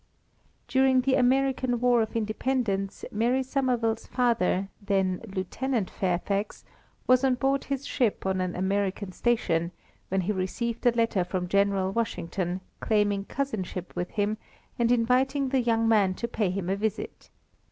During the American War of Independence, Mary Somerville's father, then Lieutenant Fairfax, was on board his ship on an American station, when he received a letter from General Washington, claiming cousinship with him, and inviting the young man to pay him a visit.